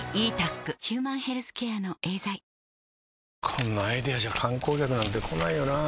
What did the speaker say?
こんなアイデアじゃ観光客なんて来ないよなあ